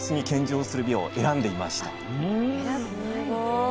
すごい。